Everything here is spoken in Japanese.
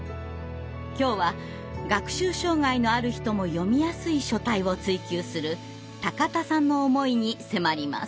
今日は学習障害のある人も読みやすい書体を追求する高田さんの思いに迫ります。